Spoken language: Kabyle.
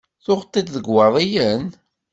Tuɣeḍ-t-id deg Iwaḍiyen?